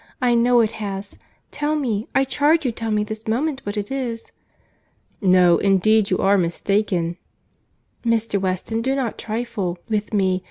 I know it has. Tell me, I charge you tell me this moment what it is." "No, indeed you are mistaken."— "Mr. Weston do not trifle with me.